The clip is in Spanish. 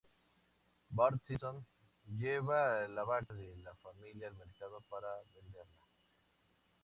Bart Simpson lleva la vaca de la familia al mercado para venderla.